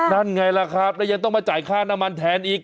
นั่นไงล่ะครับแล้วยังต้องมาจ่ายค่าน้ำมันแทนอีก